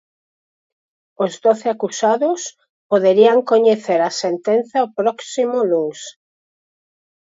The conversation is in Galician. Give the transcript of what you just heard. Os doce acusados poderían coñecer a sentenza o próximo luns.